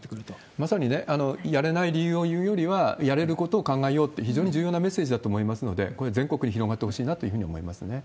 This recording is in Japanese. まさにね、やれない理由を言うよりは、やれることを考えようと、非常に重要なメッセージだと思いますので、これ、全国に広がってほしいなというふうに思いますね。